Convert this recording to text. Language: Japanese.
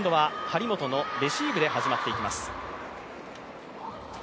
今度は張本のレシーブで始まっていきます。